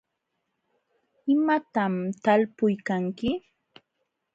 ¿imatam talpuykanki?